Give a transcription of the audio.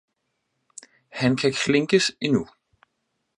Han kan klinkes endnu!